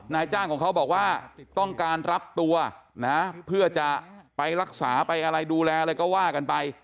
นายจ้างของเขาบอกว่าต้องการรับตัวนะเพื่อจะไปรักษาไปอะไรดูแลอะไรก็ว่ากันไป